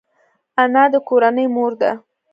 انا د کورنۍ مور ده